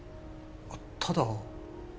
ただ。